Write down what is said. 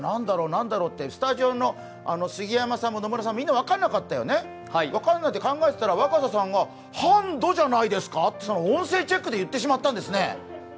何だろう？ってスタジオの杉山さんも野村さんも分からなくて考えてたら、若狭さんが、「ハンドじゃないですか？」と音声チェックで言ってしまったんですね。